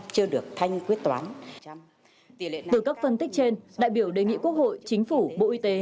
từ các phân tích trên đại biểu đề nghị quốc hội chính phủ bộ y tế